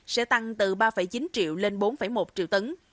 sẽ tăng từ ba chín triệu lên bốn một triệu tấn